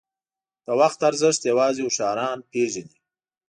• د وخت ارزښت یوازې هوښیاران پېژني.